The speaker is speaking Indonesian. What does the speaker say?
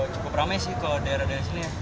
cukup rame sih kalau daerah daerah sini